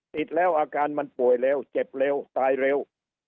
ติดแล้วอาการมันป่วยเร็วเจ็บเร็วตายเร็ว